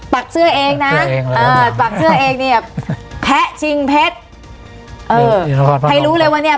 เสื้อเองนะเออปักเสื้อเองเนี่ยแพะชิงเพชรเออให้รู้เลยว่าเนี้ย